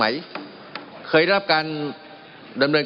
มันมีมาต่อเนื่องมีเหตุการณ์ที่ไม่เคยเกิดขึ้น